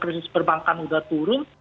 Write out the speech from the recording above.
krisis perbankan sudah turun